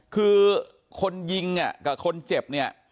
คือคนยิงกับคนเจ็บเนี่ย